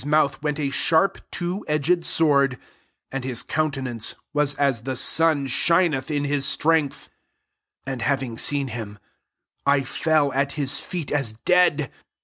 893 went a sharp two edged sword : and his countenance was as the sun shineth in his strength. 17 And, having seen him, 1 fell at his feet as dead.